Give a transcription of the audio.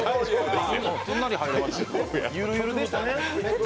ゆるゆるでしたね。